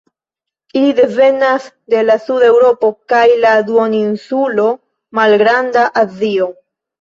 Ili devenas de la suda Eŭropo kaj la duoninsulo Malgranda Azio.